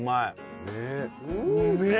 うめえ。